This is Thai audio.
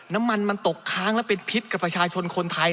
น้ำมันมันตกค้างและเป็นพิษกับประชาชนคนไทย